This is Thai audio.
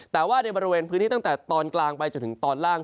แต่ว่าในบริเวณพื้นที่ตั้งแต่ตอนกลางไปจนถึงตอนล่าง